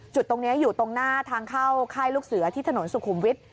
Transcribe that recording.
จุดตรงนี้อยู่ตรงหน้าทางเข้าค่ายลูกเสือที่ถนนสุขุมวิทย์